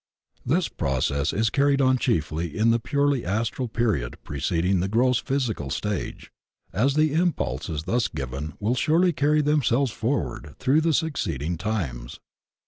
This process is carried on chiefly in the purely astral period preceding the gross physical stage, as the impulses thus given will surely carry themselves forward through the suc ceeding times.